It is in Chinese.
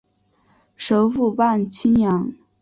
首府磅清扬。